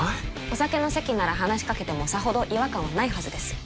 お酒の席なら話しかけてもさほど違和感はないはずです